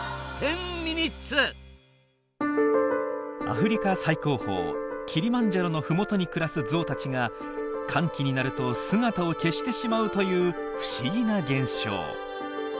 アフリカ最高峰キリマンジャロのふもとに暮らすゾウたちが乾季になると姿を消してしまうという不思議な現象。